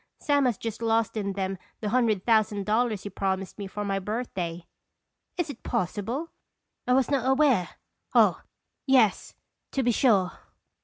Sam has just lost in them the hundred thousand dollars he promised me for my birthday." "Is it possible? I was not aware oh, yes, to be sure."